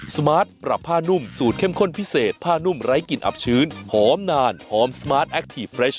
สมาร์ทปรับผ้านุ่มสูตรเข้มข้นพิเศษผ้านุ่มไร้กลิ่นอับชื้นหอมนานหอมสมาร์ทแอคทีฟเรช